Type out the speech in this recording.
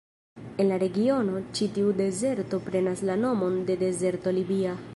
En la regiono, ĉi tiu dezerto prenas la nomon de dezerto Libia.